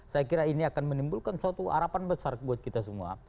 saya kira ini akan menimbulkan suatu harapan besar buat kita semua